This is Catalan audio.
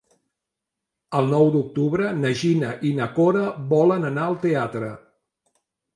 El nou d'octubre na Gina i na Cora volen anar al teatre.